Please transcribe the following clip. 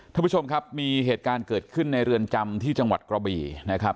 ท่านผู้ชมครับมีเหตุการณ์เกิดขึ้นในเรือนจำที่จังหวัดกระบี่นะครับ